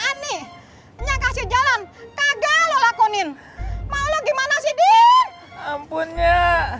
aneh nyangka si jalan kagak lelakuin maulah gimana sih di ampunnya